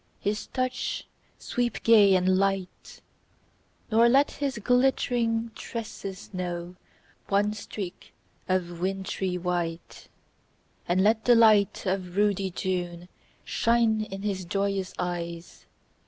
His touch sweep gay and light; Nor let his glittering tresses know One streak of wintry white. And let the light of ruddy June Shine in his joyous eyes.